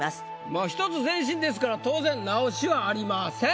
まあ１つ前進ですから当然直しはありません。